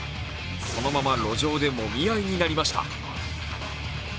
そのまま路上で、もみ合いになりました。